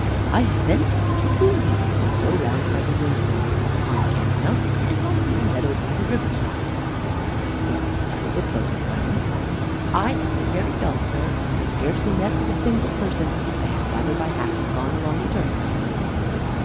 R. I have been, sir, to Broom heath, and so round by the windmill upon Camp mount, and home through the meadows by the river side. Mr. A. Well, that's a pleasant round. R. I thought it very dull, sir; I scarcely met with a single person. I had rather by half have gone along the turnpike road.